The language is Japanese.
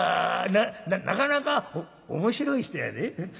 なかなか面白い人やで。